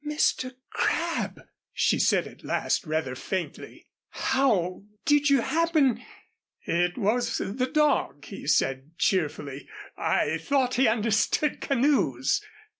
"Mr. Crabb!" she said at last, rather faintly, "how did you happen " "It was the dog," he said cheerfully. "I thought he understood canoes."